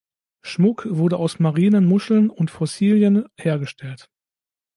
Schmuck wurde aus marinen Muscheln und Fossilien hergestellt.